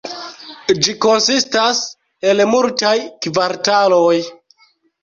Ĝi konsistas el multaj kvartaloj.